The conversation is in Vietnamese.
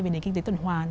về nền kinh tế tuần hoàn